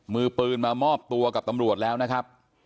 มือปืนมามอบตัวกับตำรวจแล้วนะครับ